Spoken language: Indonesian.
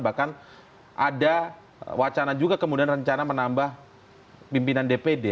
bahkan ada wacana juga kemudian rencana menambah pimpinan dpd